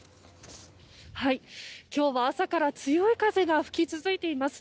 今日は朝から強い風が吹き続いています。